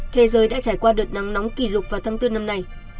thế giới đã trải qua đợt nắng nóng kỷ lục vào tháng bốn năm nay